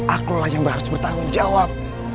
akulah yang harus bertanggung jawab